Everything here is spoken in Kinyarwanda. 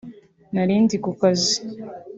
Nari ndi ku kazi